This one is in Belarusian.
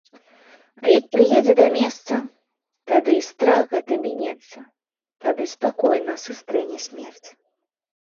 А як прыедзе да месца, тады і страх гэты мінецца, тады спакойна сустрэне смерць.